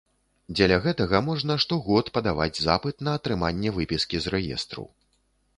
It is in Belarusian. Дзеля гэтага можна штогод падаваць запыт на атрыманне выпіскі з рэестру.